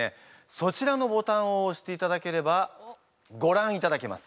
そちらのボタンをおしていただければごらんいただけます。